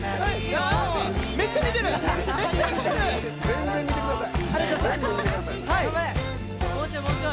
全然、見てください！